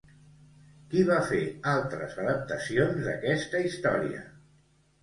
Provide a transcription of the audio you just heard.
Qui va fer altres adaptacions d'aquesta història?